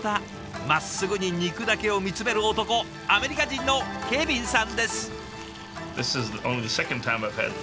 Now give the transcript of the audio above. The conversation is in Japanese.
まっすぐに肉だけを見つめる男アメリカ人のケビンさんです。